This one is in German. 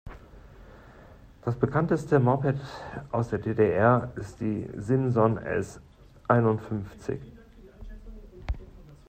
Das Bekannteste Moped aus der D-D-R ist die Simson S einundfünfzig.